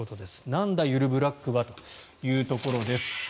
なんだ、ゆるブラックは？というところです。